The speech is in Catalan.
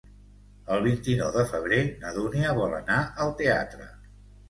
El vint-i-nou de febrer na Dúnia vol anar al teatre.